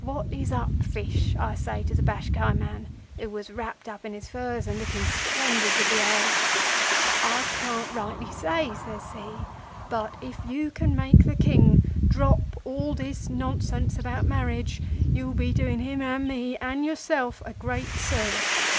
"'What is up, Fish?' I says to the Bashkai man, who was wrapped up in his furs and looking splendid to behold. "'I can't rightly say,' says he; 'but if you can induce the King to drop all this nonsense about marriage, you'll be doing him and me and yourself a great service.